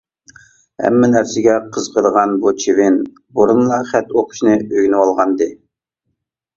ھەممە نەرسىگە قىزىقىدىغان بۇ چىۋىن بۇرۇنلا خەت ئوقۇشنى ئۆگىنىۋالغانىدى.